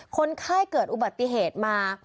คนไข้เกิดอุบัติเหตุมา